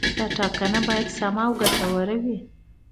دا ټاکنه باید سمه او ګټوره وي.